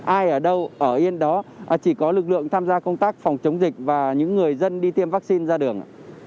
ai ở đâu ở yên đó chỉ có lực lượng tham gia công tác phòng chống dịch và những người dân đi tiêm vaccine ra đường ạ